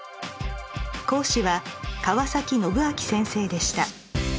講師は川宣昭先生でした。